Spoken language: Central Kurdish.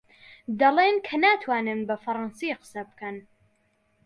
دەڵێن کە ناتوانن بە فەڕەنسی قسە بکەن.